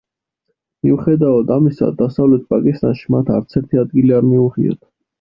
მიუხედავად ამისა, დასავლეთ პაკისტანში მათ არცერთი ადგილი არ მიუღიათ.